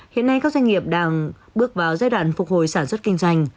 hiện nay các doanh nghiệp đang bước vào giai đoạn phục hồi sản xuất kinh doanh